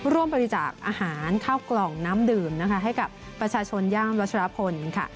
ร่วมบริจาคอาหารข้าวกล่องน้ำดื่มนะคะให้กับประชาชนย่านวัชรพลค่ะ